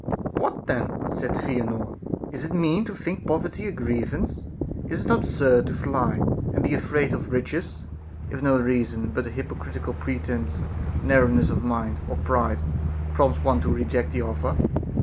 15. What then, said Theanor, is it mean to think pov erty a grievance ? Is it not absurd to fly and be afraid of 396 A DISCOURSE CONCERNING riches, if no reason, but an hypocritical pretence, narrow ness of mind, or pride, prompts one to reject the offer'?